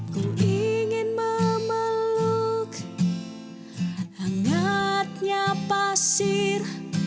ku ingin memeluk hangatnya pasir